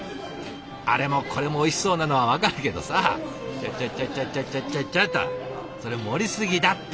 あれもこれもおいしそうなのは分かるけどさちょっちょっちょっちょっとそれ盛りすぎだって！